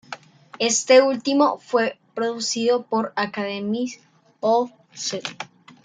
Este último fue producido por “Academy of St.